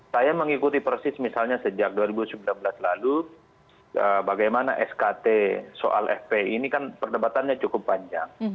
saya mengikuti persis misalnya sejak dua ribu sembilan belas lalu bagaimana skt soal fpi ini kan perdebatannya cukup panjang